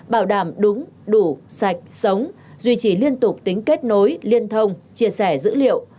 bảo đảm đúng đủ sạch sống duy trì liên tục tính kết nối liên thông chia sẻ dữ liệu